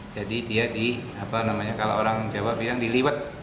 jadi dia di apa namanya kalau orang jawa bilang diliwat